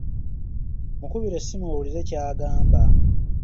Mukubire essimu owulire ky’agamba.